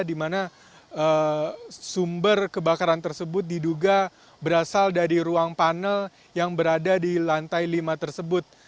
di mana sumber kebakaran tersebut diduga berasal dari ruang panel yang berada di lantai lima tersebut